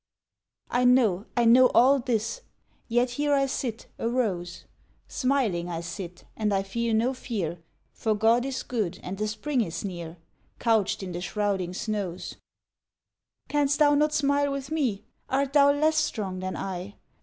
" I know, I know all this ; Yet here I sit a rose ! Smiling I sit, and I feel no fear, For God is good and the Spring is near, Couched in the shrouding snows. 84 A ROSE IN A GLASS 11 Canst thou not smile with me ? Art thou less strong than I